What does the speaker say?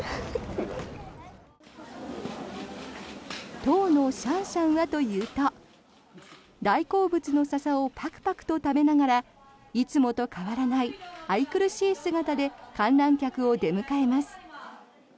当のシャンシャンはというと大好物のササをパクパクと食べながらいつもと変わらない愛くるしい姿で観覧客を出迎えます。